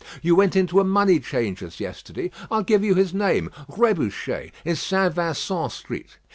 You went into a money changer's yesterday. I'll give you his name Rébuchet, in St. Vincent Street.